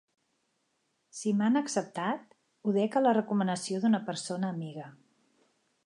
Si m'han acceptat, ho dec a la recomanació d'una persona amiga.